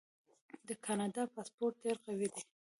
د کاناډا پاسپورت ډیر قوي دی.